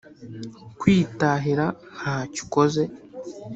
kwitahira ntacyo ukoze